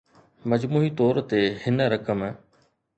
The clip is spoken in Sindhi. مجموعي طور تي هن رقم